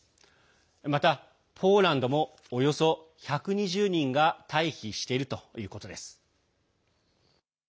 また、ポーランドもおよそ１２０人が退避しているということです。